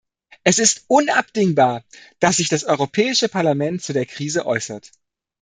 Es ist unabdingbar, dass sich das Europäische Parlament zu der Krise äußert.